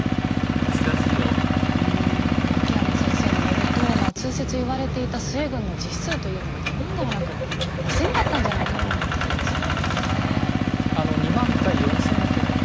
うんこう秋山先生によるとまあ通説言われていた陶軍の実数というのが２万ではなく５，０００だったんじゃないかっていうことですよね。